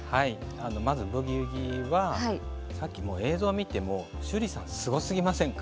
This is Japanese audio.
まず「ブギウギ」はさっき映像見ても趣里さん、すごすぎませんか。